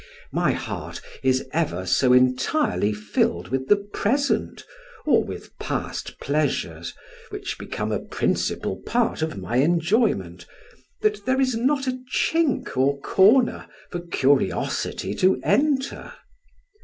My heart is ever so entirely filled with the present, or with past pleasures, which become a principal part of my enjoyment, that there is not a chink or corner for curiosity to enter.